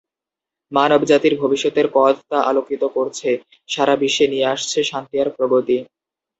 মানবজাতির ভবিষ্যতের পথ তা আলোকিত করছে সারা বিশ্বে নিয়ে আসছে শান্তি আর প্রগতি।